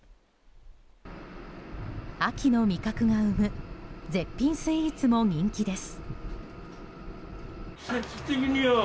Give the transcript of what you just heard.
秋の味覚が生む絶品スイーツも人気です。